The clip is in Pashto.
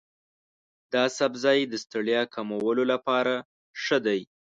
دا سبزی د ستړیا کمولو لپاره ښه دی.